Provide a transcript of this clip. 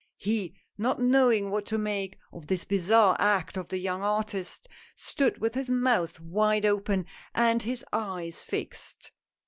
He, not knowing what to make of this bizarre act of the young artist, stood with his mouth wide open and his eyes fixed.